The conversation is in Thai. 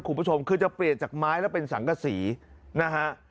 คุณผู้ชมคือจะเปลี่ยนจากไม้แล้วเป็นสังกษีนะฮะ